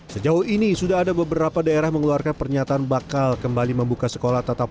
sejauh ini sudah ada beberapa daerah mengeluarkan pernyataan bakal kembali membuka sekolah tetap